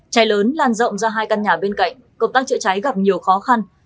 trái lớn lan rộng ra hai căn nhà bên cạnh cộp tác trựa trái gặp nhiều khó khăn